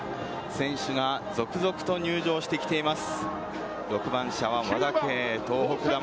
選手が続々と入場してきています。